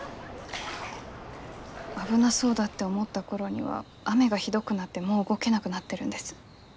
危なそうだって思った頃には雨がひどくなってもう動けなくなってるんです。